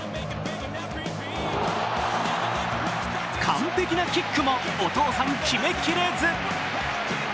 完璧なキックもお父さん、決めきれず。